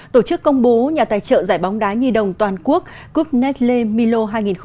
tổ chức công bố nhà tài trợ giải bóng đá nhi đồng toàn quốc cup nesle milo hai nghìn hai mươi bốn